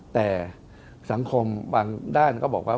แต่สังคมบางด้านก็บอกว่า